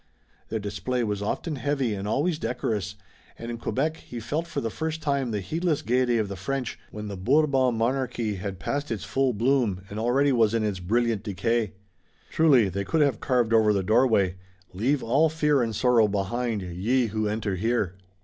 Their display was often heavy and always decorous, and in Quebec he felt for the first time the heedless gayety of the French, when the Bourbon monarchy had passed its full bloom, and already was in its brilliant decay. Truly, they could have carved over the doorway, "Leave all fear and sorrow behind, ye who enter here."